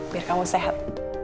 biar kamu sehat